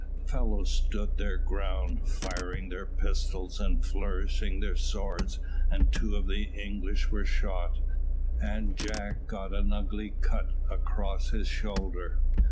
The fellows stood their ground, firing their pistols and flourishing their swords, and two of the English were shot, and Jack got an ugly cut across his shoulder.